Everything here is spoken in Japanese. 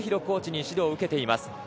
コーチに指導を受けています。